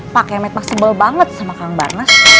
pak kemet mah sebel banget sama kang barnas